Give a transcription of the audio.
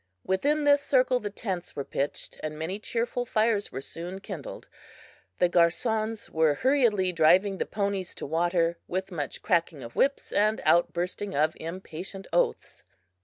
Within this circle the tents were pitched, and many cheerful fires were soon kindled. The garcons were hurriedly driving the ponies to water, with much cracking of whips and outbursting of impatient oaths.